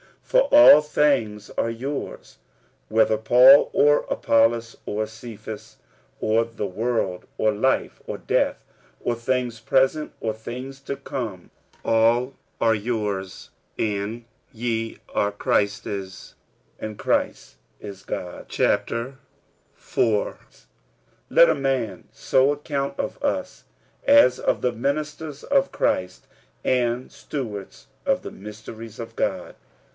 For all things are your's; 46:003:022 Whether Paul, or Apollos, or Cephas, or the world, or life, or death, or things present, or things to come; all are your's; 46:003:023 And ye are Christ's; and Christ is God's. 46:004:001 Let a man so account of us, as of the ministers of Christ, and stewards of the mysteries of God.